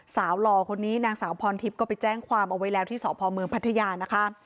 หล่อคนนี้นางสาวพรทิพย์ก็ไปแจ้งความเอาไว้แล้วที่สพเมืองพัทยานะคะ